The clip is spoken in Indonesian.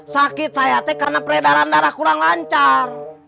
sakit saya teh karena peredaran darah kurang lancar